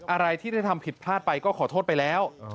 อะไรที่ได้ทำผิดพลาดไปก็ขอโทษไปแล้ว